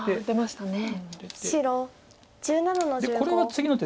白１７の十五。